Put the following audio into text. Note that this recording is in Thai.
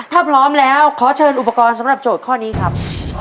ถ้าพร้อมแล้วขอเชิญอุปกรณ์สำหรับโจทย์ข้อนี้ครับ